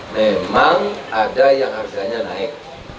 memang ada yang harganya naik